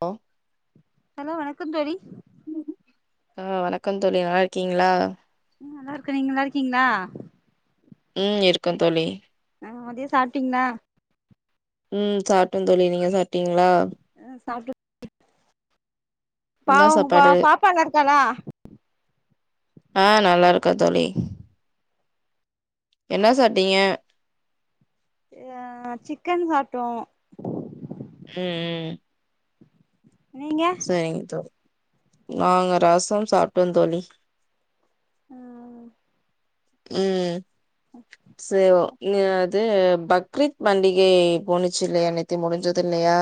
Low hello வணக்கோ தோழி ஆ வணக்கோ தோழி நல்லாருக்கீங்ளா ம் நல்லாருக்கே நீங்க நல்லாருக்கீங்ளா ம் இருக்கோ தோழி ஆ மதியோ சாப்ட்டீங்ளா ம் சாப்ட்டே தோழி நீங்க சாப்ட்டீங்ளா ஆ சாப்ட்டு பா என்ன உங்க சாப்பாடு பாப் பாப்பா நல்லாருக்காளா ஆ நல்லாருக்கா தோழி என்ன சாட்டீங்க ஆ சிக்கன் சாப்டோ ம் ம் நீங்க சரிங் தோழி நாங்க ரசம் சாப்ட்டோ தோழி ஆ ம் சேவோ நின்னு அது பக்ரீத் பண்டிகை போனுச்சு இல்லயா நேத்து முடிஞ்சது இல்லயா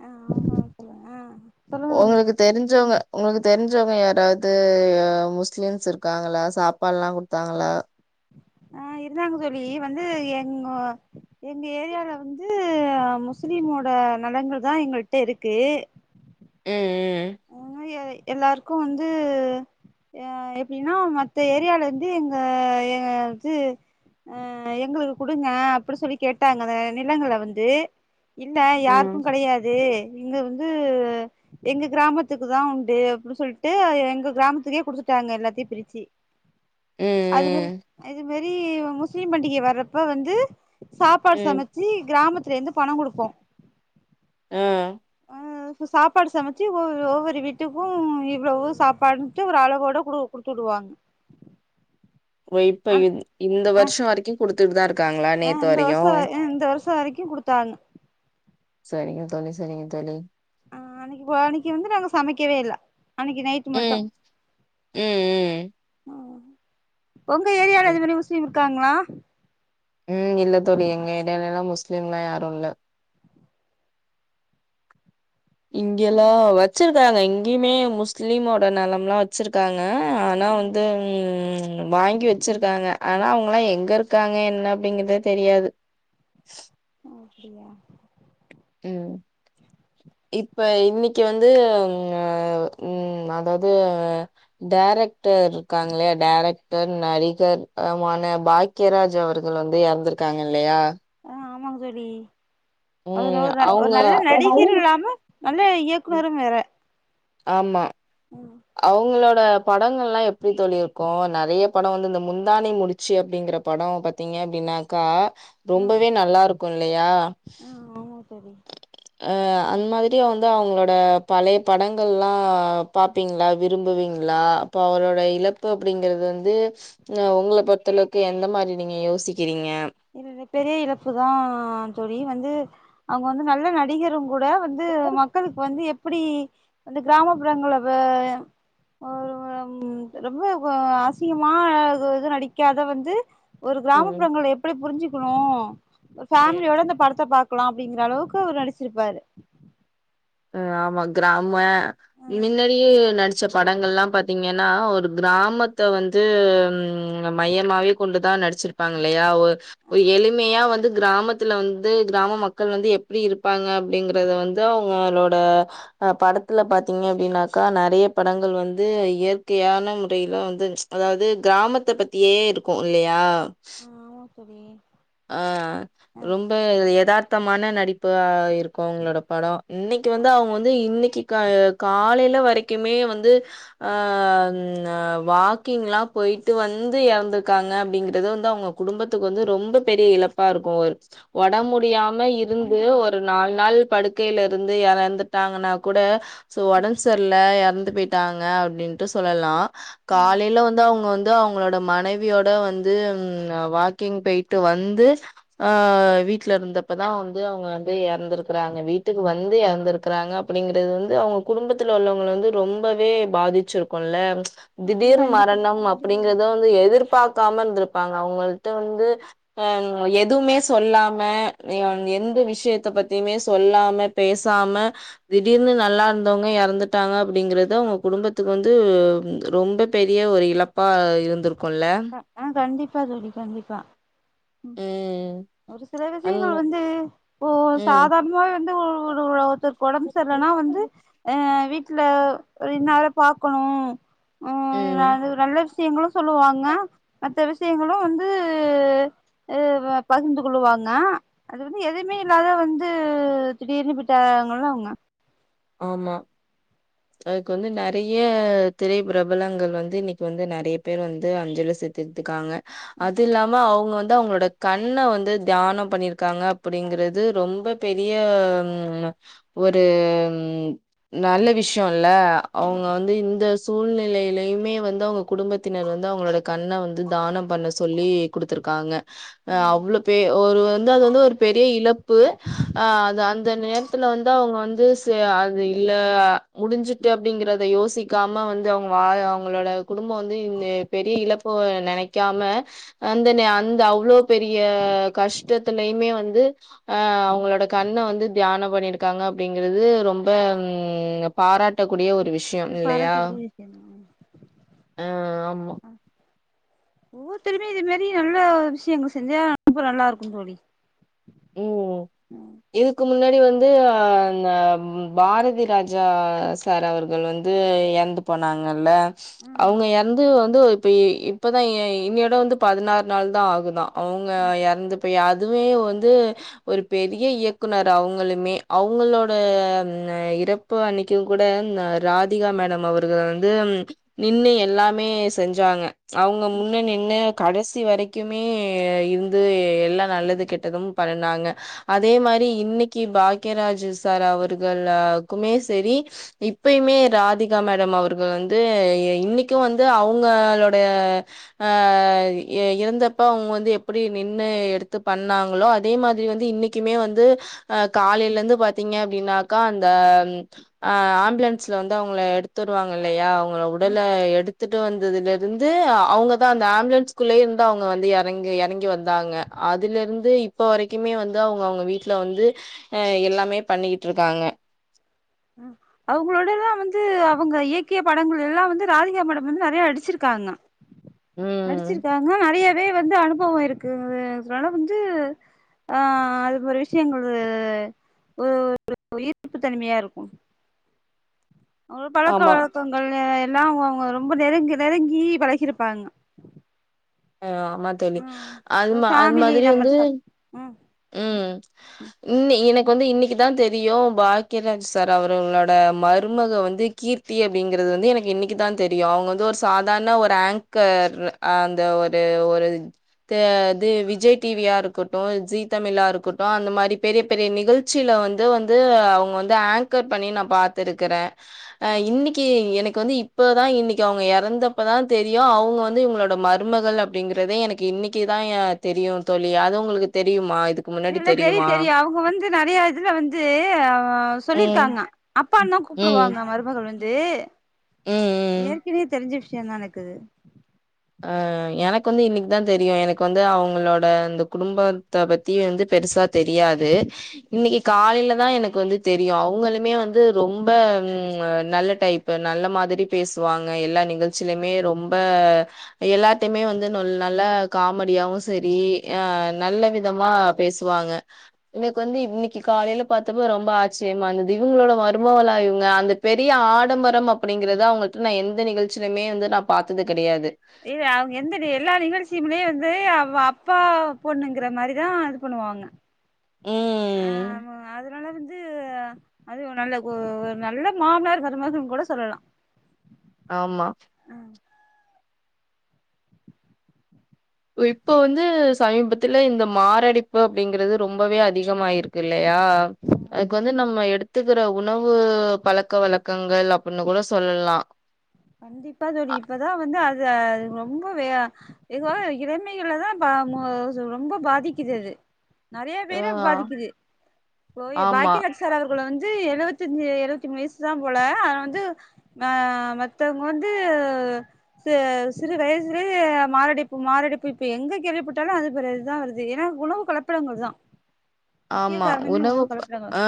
ஆ சொல்லுங்க ஆ சொல்லுங்க தோழி ஒங்களுக்கு தெரிஞ்சவ்ங்க ஒங்களுக்கு தெரிஞ்சவ்ங்க யாராவ்து முஸ்லீம்ஸ் இருக்காங்களா சாப்பாட்லா குடுத்தாங்களா ஆ இருந்தாங்க தோழி வந்து எங்கோ எங்க ஏரியால வந்து முஸுலிமோட நலங்கள் தா எங்கள்ட்ட இருக்கு ம் ம் வாங்கி அதை எல்லாருக்கு வந்து யா எப்டின்னா மத்த ஏரியால இருந்து எங்க எங்கயாச்சு அ எங்குளுகு குடுங்க அப்டி சொல்லி கேட்டாங்க அத நிலங்கள வந்து இல்ல ம் யாருக்கு கெடயாது இங்க இருந்து எங்க கிராமத்துக்கு தா உண்டு அப்டின் சொல்ட்டு எங்க கிராமத்துகே குடுத்துட்டாங்க எல்லாத்தி பிரிச்சு ம் அது மாரி ம் அது மாரி முஸ்லீம் பண்டிகை வர்றப்ப வந்து சாப்பாடு ம் சமச்சு கிராமத்ல இருந்து பண குடுப்போ ஆ அ சாப்பாடு சமச்சு ஒ ஒவ்வொரு வீட்டுக்கூ இவ்ளவு சாப்பாடுன்ட்டு ஒரு அளவோட குடு குடு துடுவா ஒ இப்பயு இந்த வர்ஷோ வரைக்கு குடுத்துட்டு தா இருக்காங்ளா நேத்து வரையு இப்ப வரைக்கு குடுத்தாங்க சரிங்க தோழி சரிங்க தோழி ஆ அன்னைக்கு போ அன்னைக்கு வந்து நாங்க சமைக்கவே இல்ல அன்னைக்கு நைட்டு மட்டு ம் ம் ஒங்க ஏரியால ம் இது மாரி முஸ்லீம் இருக்காங்ளா ம் இல்ல தோழி எங்க ஏர்யாலலா முஸ்லீம்லா யாரு இல்ல இங்கெல்லா வச்சிருக்காங்க இங்கியுமே முஸ்லீமோட நலம்லா வச்சிருக்கா ங்க ஆனா வந்து ம் வாங்கி வச்சிருக்காங்க ஆனா அவுங்குலா எங்க இருக்காங்க என்ன அப்டிங்கிற்தே தெரியாது ஓ அப்டியா ம் இப்ப இன்னிக்கு வந்து ம் அ ம் அதாவ்து இந்த டேரக்டர் இருக்காங்லையா டேரக்டர் நடிகர் அ மான பாக்யராஜ் அவர்கள் வந்து எற்ந்திருக்காங்க இல்லயா அ ஆமாங் தோழி அவர் ம். ஒரு ந ஒரு அவங்க நல்ல நடிகர் இல்லாம நல்ல ம். இயக்குனரு வேற ஆமா ம் அவுங்குளோ ட படங்கள்லா எப்டி தோழி இருக்கூ நெறைய படொ வந்து இந்த முந்தானை முடிச்சு அப்டிங்கிற படோ பாத்தீங்க அப்டினாக்கா ஆ ரொம்பவே நல்லா இருக்கு இல்லயா ஆ ஆமா தோழி அ அந் மாதிரி வந் து அவுங்ளோட பழைய படங்கள்லா பாத் தீங்ளா விரும்புவீங்ளா அப்போ அவுரோட இழப்பு அப்டிங்கறது வந்து ந உங்ள பொறுத்தளவ்க் எந்த மாரி நீங்க யோசிக் என்னுடைய பெரிய இழப்புதா தோழி வந்து அவ்ங்க வந்து நல்ல நடிகரும் கூட வந்து மக்களுக்கு வந்து எப்பிடி வந்து கிராமப்புறங்கள வ ஒரு புறம் ரொம்ப ஒ அசிங்கமா இது நடிக்காத வந்து ஒரு ம். கிராமப்புறங்கல எப்டி புரிஞ்சிக்குணு ஒர் ம். ஃபேமிலியோட அந்த படத்த பாக் க்லா அப்டிங்கிற அளவுக்கு அவர் நடிச்சிருப்பாரு ஆ ஆமா கிராம ஆ மின்னாடியே நடிச்ச படங்கள்ல்லா பாத்தீங்க ன்னா ஒரு கிராமத்த வந்து ம் மையமாவே கொண்டு தா நடிச்சிருப்பாங்கில்லையா ஒரு எளிமையா வந்து கிராமத்துல வந்து கிராம மக்கள் வந்து எப்டி இருப்பாங்க அப்டிங்கறத வந்து அ வங்களோட அ படத்துல பாத்தீங்க அப்டின்னாக்கா நெறைய படங்கள் வந்து இயற்கையா ன முறையில வந்து அதாவ்து கிராமத்த பத்தியே இருக்கு இல்லையா [unintelligible] ஆ ஆ ரொம்ப எதார்த்தமான நடிப்பா இருக்கு அவ்ங்ளோட படோ இன்னிக் கு வந்து அவ்ங்க வந்து இன்னிக்கு காலல காலையில வரைக்கிமே வந்து ஆ ம் வாக்கிங்ல்லா போயிட்டு வந்து எறந்திருக்காங்க அப்டிங்கறது வந்து அவ்ங்க குடும்பத்துக்கு வந்து ரொம்ப பெரிய இழப்பா இருக்கு ஒர் ஒடம் ஆ முடியாம இருந்து கண்டிப்பா ஒரு நால் நாள் படுக்கையிலருந்து எறந்துட்டாங்கன்னா கூட சோ ஓடம் செர்ல்ல எற ந்து போயிட்டாங்க அப்டின்ட்டு சொல்லலா ம் காலைல வந்து அவுங்க வந் து அவுங்ளோட மனைவியோட வந்து ம் வாக்கிங் போய் ட்டு வந்து அ வீட்டுல இருந்தப்ப தா வந்து அவுங்க வந்து எறந்திருக்கறாங்க வீட்டுக்கு வந் து எறந்திருக்கிறாங்க அப்டிங்கறது வந்து அவுங்க குடும்பத்துல உள்ளவங்கள வந்து ரொம்பவே பாதிச்சிருக்குல்ல திடீர் கண்டிப்பா மரணம் கண்டிப்பா தோழி அப்டிங்கறத வந்து எதிர்பாக்காம இருந்திருப்பாங்க அவுங்கள்ட்ட வந்து ஆ எதுவுமே சொல்லாம எ எந்த விஷ்யத்த பத்திமே சொல்லாம பே சாம திடீர்னு நல்லாருந்தவங்க எறந்துட்டாங்க அப்டிங்கறத அவ்ங்க குடும்பத்துக்கு வந்து ரொம்ப பெரிய ஒரு இழப்பா இருந்திரு அ ஆ கண்டிப்பா தோழி கண்டிப்பா ம் ஒரு சில அந் விசயங்கள் வந்து ஒரு ம் சாதார்ணமாவே வந்து ஒரு ஒரு ஒரு ஒருத்தர்க் கொடம் செர்ல னா வந்து ஆ வீட் சிலர் ரின்னால பாக்குணு ம் அது ஒரு நல்ல விஷ்யங்களு சொல்லுவாங் க மத்த விசயங்களு வந்து அ பகிர்ந்து கொள்ளுவாங்க அ து வந்து எதுமே இல்லாத வந்து திடீர்னு போயிட்டாங்கல்ல அவுங்க ஆமா அதுக்கு வந்து நெறய திரை பிரபலங்கள் வந்து இன்னிக்கு வந்து நெறய பேர் வந்து அஞ்சலி செத்திருக்காங்க அதில்லாம அவ் க வந்து அவ்ங்ளோட கண்ண வந்து தியானம் பண்ணிருக்காங்க அப்டிங்கறது ரொம்ப பெரிய ம் ஒரு நல்ல விஷ்யோல்ல அவ்ங்க வந்து இந்த சூழ்நிலையிலய்மே வந்து அவுங்க குடும்பத்தினர் வந்து அவ்ங்களோட கண்ண வந்து தானம் பண்ண சொல்லி குடுத்துருக்காங்க அ அவ்ளோ பே அவுரு வந்து அது வந்து ஒரு பெரிய இழப்பு ஆ அந்த நேரத்துல வந்து அவ்ங்க வந்து செ அது இல்ல முடிஞ்சிட்டு அப்டிங்கறத யோசிக்காம வந்து அவுங்க வாய அவங்களோட குடும் போ வந்து இந்த பெரிய இழப்பு நெனைக்காம அந்த அந்த அவ்ளோ பெரிய கஷ்டத்திலய்மே வந்து அ அவங்களோட கண்ண வந்து தியான பண்ணிருக்காங்க அப்டிங்க றது ரொம்ப ம் பாராட்டக்கூடிய ஒ ரு விஷ்யம் அது இல்லையா பாராட்டக்கூடிய விஷயந்தா அ ஆமா ஒவ்வொருத்தருமே இது மேரி நல்லா விஷ்யங்கள் செஞ்சா [unintelligible] நல்லா இருக்குந்தோழி [inaudible] ம் இதுக்கு முன்னாடி வந்து அ ந பாரதிராஜா சார் அவர்கள் வந்து எறந்து போனாங்கல்ல அவுங்க ம் எறந்து வந்து இப்யி இப்பதா இ இன்னியோட வந்து பதினாறு நாள் தா ஆகுதா அவுங்க ம் எறந்துபோய் அதுவே வ ந்து ஒரு பெரிய இயக்குனர் அவுங்களுமே அவ்ங்களோட அ ம் இறப்பு அன்னிக் கிங்கூட ராதிகா மேடம் அவர்கள் வந்து நின்னு எல்லாமே செஞ்சாங்க அவ்ங்க முன்ன நின்னு கடைசி வரைக்குமே இருந்து எல்லா நல்லது கெட்டதும் நின்னாங்க அதே மாரி இன்னிக்கி பாக்யராஜ் சார் அவர்களாக்குமே செரி இப்பய்மே ராதிகா மேடம் அவர்கள் வந்து இன்னிக்கு வந்து அவுங்களோட அ இ இறந்தப்ப அவ்ங்க வந்து எப்டி நின்னு எடுத்து பண்ணாங்களோ அ அதே மாதிரி வந்து இன்னைக்குமே வந்து அ காலையில இருந்து பாத்தீங்க அப்படின்னாக்கா அந்த ம் அ ஆம்புலன்ஸில வந்து அவங்கள எடுத்து வருவாங்க இல்லையா அவங்கள ம் உடல எடுத்துட் டு வந்ததுல இருந்து அவங்கதா அந்த ஆம்புலன்குள்ளே இருந்து அவங்க வந்து இறங்கி இறங்கி வந்தாங்க அதுலருந்து இப் இப்போ வரைக்குமே வந்து அவங்க அவங்க வீட்ல வந்து அ எல்லாமே பண்ணிக்கிட்டு இருக்காங்க ம் அவங்களோடலா வந்து அவங்க இயக்கிய படங்கள் எல்லா வந்து ராதிகா மேடம் வந்து நெறைய நடிச்சிருக்காங்க ம் நடிச்சிருக்காங்க நெறையாவே வந்து அனுபவ இருக்கு அதுனால வந்து ஆ அது போற விஷயங்களு ஒரு ஈர்ப்பு தனிமையா இருக்கு ம் ஒரு பழக்க ஆமா வழக்கங்கள் அ எல்லா அவங்க அவங்க ரொம்ப நெருங்கி நெருங்கி பழகிருப்பாங்க ஆமா தோழி ம் அது ஒரு அது ஃபேமிலி மாதிரி வந்து மெம்பர்ஸ் ம் ம் இன்னி எனக் வந்து இன்னைக்குதா தெரியு பாக்யராஜ் சார் அவர்களோட மருமக வந்து கீர்த்தி அப்டிங்கிறது வந்து எனக்கு இன்னைக்கு தா தெரியு அவங்க வந்து ஒரு சாதாரண ஒரு ஆங்கர் அந்த ஒரு இது ஒரு இது து விஜய் டிவியா இருக்கட்டு ஜி தமிழா இருக்கட்டு அந்த மாரி பே பெரிய பெரிய நிகழ்ச்சியில வந்து வந்து அவுங்க வந்து ஆங்கர் பண்ணி நான் பார்த்திருக்கிற அ இ இன்னைக்கி எனக்கு வந்து இப்பதா இன்னைக்கி அவுங்க இறந்தப்பதா தெரியு அவுங்க வந்து இவங்களோட மருமகள் அப் ப்படிங்கிறதே எனக்கு இன்னைக்கி தா என் தெரியு தோழி அது உங்களுக்கு தெரியுமா இதுக்கு முன்னாடி இல்ல தெரி தெரியுமா தெரியு அவுங்க வந்து நெறையா இதுல வந்து அ ம் சொல்லிருக்காங்க அப்பாந்தா ம், கூப்டுவாங்க மருமகள் வந்து ம், ம். ஏற்கனையே தெரிஞ்ச விஷயந்தா எனக்கு இது ஆ எனக்கு வந்து இன்னைக்கு தான் தெரியு எனக்கு வந்து அவங்களோட அந்த குடும்பத்த பத்தி வந்து பெருசு சா தெரியாது இன்னைக்கு காலையில தா எனக்கு வந்து தெரியும் அவுங்களுமே வந்து ரொம்ப ம் நல்ல டைப்பு நல்ல மாதிரி பேசுவாங்க எல்லா நிகழ்ச்சிலயுமே ரொம்ப எல்லார்ட்டயுமே வந்து நொல் நல்ல காமெடியாவு சரி அ நல்ல விதமா பேசுவாங்க வாங்க எங்களுக்கு வந்து இன்னைக்கி காலையில பாத்தப்ப ரொம்ப ஆச்சரியமா இருந்தது இவுங்களோட மருமகளா இவுங்க அந்த பெரிய ஆடம்பரம் அப்படிங்கிறது அவுங்கள்ட்ட நான் எந்த நிகழ்ச்சியிலுமே வந்து நான் பாத்தது கெடையாது இல்ல அவுங்க எந்த எல்லா நிகழ்ச்சியுலேயே வந்து அவ அப்பா பொண்ணுங்கிற மாரிதா இது பண்ணுவா வாங்க அ ம் ஆமாங் அதனால வந் அது அது ஒரு நல்ல கொ ஒரு நல்ல மாமனார் மருமகன்னு கூட சொல்லலா ஆமா ஆ இப்ப வந்து சமீபத்துல இந்த மாரடைப்பு அப்படிங்கிறது ரொம்பவே அதிகமாயிருக்கு இல்ல யா அதுக்கு வந்து நம்ம எடுத் த்துக்கற உணவு பழக்க வழக்கங்கள் அப்டின்னு கூட சொல்லலா கண்டிப்பாதோழி இப்பதா வந்து அது ரொம்பவே இதுவா இளமைல தான் பா மோஸ் ரொம்ப பாதிக்குது இது நெறையா ஆ பேர பாதிக்குது போயி ஆமா பாக்கியராஜ் சார இப்புல வந்து எழுவத்தஞ்சி எழுவத்தி மூனு வயசு தா போல அத வந்து அ மத் த்தவுங்க வந்து ச சிறு வயசுலேயே மாரடைப்பு மாரடைப்பு இப்ப எங்க கேள்வி எப்படி போட்டாலு அது பெற இதா வருது ஏன்னா உணவு கலப்பிடங்கள் தா முக்கிய ஆமா காரணமே உணவு கலப்படங்கள் அ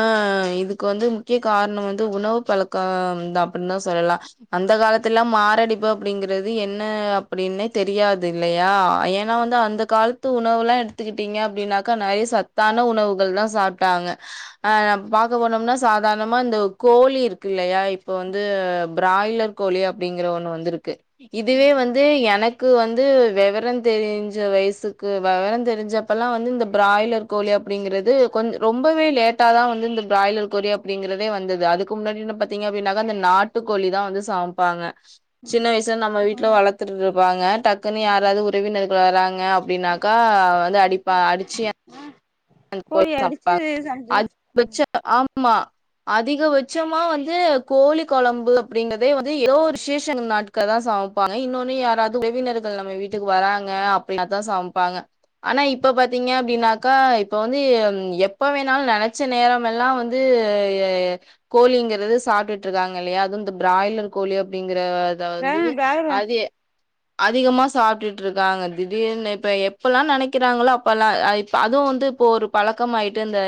இதுக்கு வந்து முக்கிய காரணம் வந் து உணவு பழக்கம் தான் அப்டின்னு தா சொல்லலாம் அந்த காலத்துலா மாரடைப்பு அப்டிங்கிறது என்ன னு அப்படின்னே தெரியாது இல்லையா ஏன்னா வந்து அந்த காலத்து உணவுலா எடுத்துக்கிட்டீங்க அப்டின்னாக்கா நெறையா சத்தான உண ணவுகள் தா சாப்டாங்க் அ பார்க்க போனோம்னா சாதாரணமா இந்த கோழி இருக்கு இல்லையா இப்ப வந்து பிராய்லர் கோழி அப்படிங்கிற ஒண்ணு வந்து இருக்கு இதுவே வந்து எனக் க்கு வந்து வெவரம் தெரிஞ்ச வயசுக்கு விவரம் தெரிஞ்சப்பல்லா வந்து இந்த பிராய்லர் கோழிய அப்படிங்கிறது கொஞ் ரொம்பவே லேட்டா தான் வந்து இந்த பிராய்லர் கோழி அப்படிங்கிறதே வந்தது அதுக்கு முன்னாடி எல்லா பாத்தீங்க அப்படின்னாக்க அந்த நாட்டுக்கோழி தா வந்து சமைப்பாங்க சின்ன வய்ஸ்ல நம்ம வீட்ல ஆமா வளர்த்துட்ருப்பாங்க டக்குன்னு யாராவது உறவினர் வராங்க அப்டினாக்கா அவ வந்து அடிப்பா அடிச்சசிய அது போய் கோழிய அடிச்சு சாப்டுவாங்க சமைச்சு அது வச்சு ஆம்மா அதிகபட்சமா வந்து கோழி கொழம்பு அப்டிங்கதே வந்து ஏதோ ஒரு விஷேச நாட்கள்லதா சா சமப்பாங்க இன்னோனு யாராது உறவினர்கள் நம்ம வீட்டுக்கு வராங்க அப்டினாதா சமப்பாங்க ஆனா இப்ப பாத்தீங்க அப்டினாக்கா இப் இப்ப வந்து எப்ப வேணாலு நெனச்ச நேரமெல்லா வந்து கோழிங்கிறது சாப் சாப்ட்டுட்ருக்காங்க இல்லையா அதுவு இந்த பிராய்லர் கோழி அப்டிங்கிற இத வந்து பிராய்லர் பிராய்லர் அதி அதிகமா சாப்டுட்ருக்காங்க திடீர்னு இப்ப எப்பலா நெனைக்கிறாங்ளோ அப்பலா அ இப் அதுவு வந்து இப்போ ஒரு பழக்கமாயிட்டு இந்த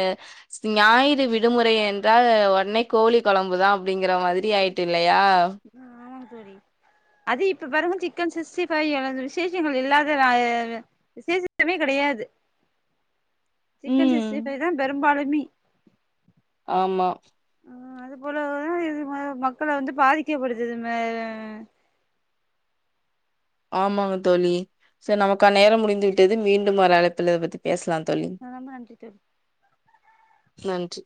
ஞாயிறு விடுமுறை என்றால் ஒட்னே கோழி கொழம்புதா அப்டிங்கிற மாதிரி ஆயிட்டு இல்லையா அ ஆமாங் தோழி அது இப்ப பாருங்க சிக்கன் சிக்ஸ்டி ஃபைவ் அல விசேஷங்கள் இல்லாத நாளே விசேஷமே கெடையா யாது சிக்கன் ம் சிக்ஸ்டி ஃபைவ்தா பெரும்பாலுமே ஆமா ஆ அது போலதா இது ம மக்கள வந்து பாதிக்கப்படுத்துது மே ஆமாங்கத் தோழி சே நமக்கான நேரம் முடிந்து விட்டது மீண்டும் ஒரு அழைப்புல இதபத்தி பேஸ்லா அ ரொம்ப நன்றி தோழி நன்றி